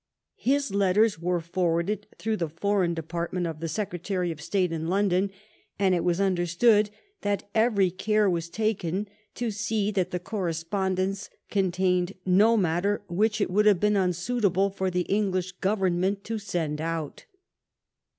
His let ters were forwarded through the foreign department of the Secretary of State in London, and it was un derstood that every care was taken to see that the correspondence contained no matter which it would have been unsuitable for the English government to send out.